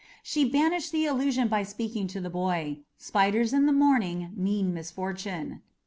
She banished the illusion by speaking to the boy spiders in the morning mean misfortune.